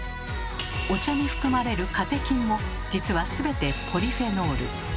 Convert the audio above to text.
お茶に含まれる「カテキン」も実はすべてポリフェノール。